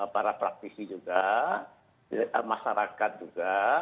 para praktisi juga masyarakat juga